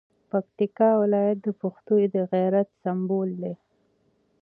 پکتیکا ولایت د پښتنو د غیرت سمبول دی.